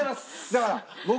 だから僕は。